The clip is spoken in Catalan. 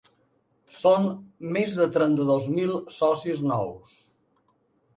Són més de trenta-dos mil socis nous.